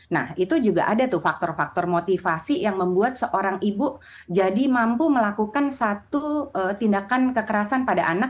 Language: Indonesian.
nah itu juga ada tuh faktor faktor motivasi yang membuat seorang ibu jadi mampu melakukan satu tindakan kekerasan pada anak